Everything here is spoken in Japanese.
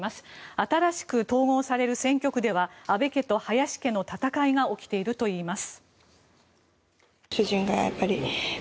新しく統合される選挙区では安倍家と林家の戦いが起きているといいます。